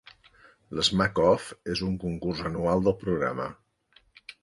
L'Smack-Off és un concurs anual del programa.